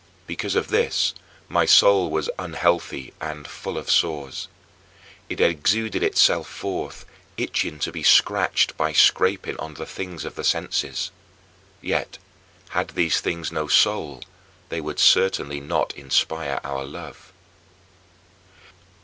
Because of this my soul was unhealthy; and, full of sores, it exuded itself forth, itching to be scratched by scraping on the things of the senses. Yet, had these things no soul, they would certainly not inspire our love.